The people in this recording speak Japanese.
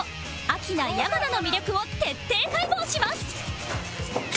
アキナ山名の魅力を徹底解剖します